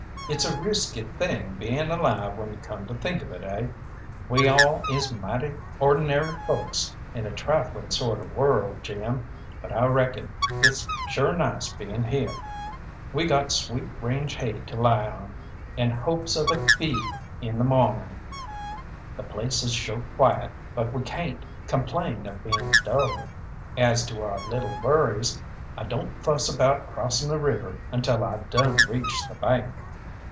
It's a risky thing bein' alive when you come to think of it, eh? We all is mighty or'nary folks in a trifling sort of world, Jim; but I reckon it's sure nice being heah. We got sweet range hay to lie on, and hopes of a feed in the mawning; the place is sure quiet, but we cayn't complain of being dull. As to our lil' worries, I don't fuss about crossing a river until I done reached the bank."